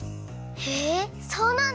へえそうなんだ！